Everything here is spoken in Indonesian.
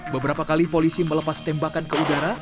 beberapa kali polisi melepas tembakan ke udara